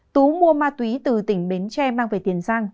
tú mua ma túy từ tỉnh bến tre mang về tiền giang